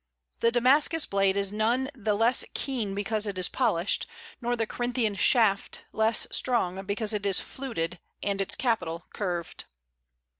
The Damascus blade is none the less keen because it is polished, nor the Corinthian shaft less strong because it is fluted and its capital curved."